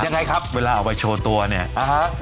ยังไงครับเวลาเอาไปโชว์ตัวเนี่ยนะฮะ